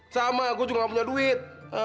sama aku juga gak punya duit